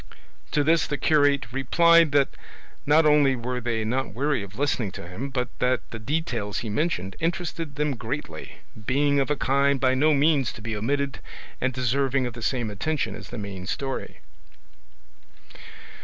To this the curate replied that not only were they not weary of listening to him, but that the details he mentioned interested them greatly, being of a kind by no means to be omitted and deserving of the same attention as the main story.